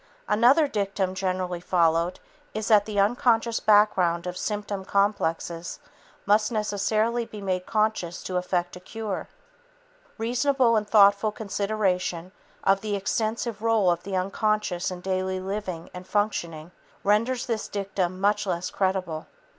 "Another dictum generally followed is that the unconscious background of symptom complexes must necessarily be made conscious to effect a cure. Reasonable and thoughtful consideration of the extensive role of the unconscious in daily living and functioning renders this dictum much less creditable."